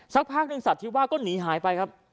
สักพักหนึ่งสัตว์ที่ว่าก็หนีหายไปครับ